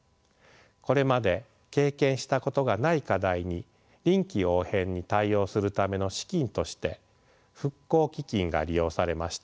これまで経験したことがない課題に臨機応変に対応するための資金として復興基金が利用されました。